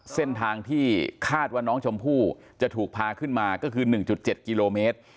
เส้นทางที่คาดว่าน้องชมพู่จะถูกพาขึ้นมาก็คือ๑๗กิโลเมตร